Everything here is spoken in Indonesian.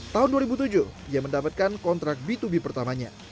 tahun dua ribu tujuh ia mendapatkan kontrak b dua b pertamanya